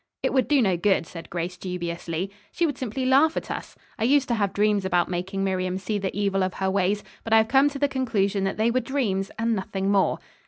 "It would do no good," said Grace dubiously. "She would simply laugh at us. I used to have dreams about making Miriam see the evil of her ways, but I have come to the conclusion that they were dreams, and nothing more."